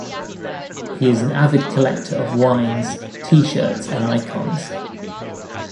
He is an avid collector of wines, t-shirts and icons.